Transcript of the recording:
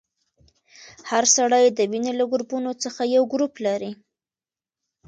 هر سړی د وینې له ګروپونو څخه یو ګروپ لري.